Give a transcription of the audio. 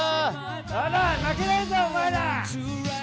負けないぞお前ら！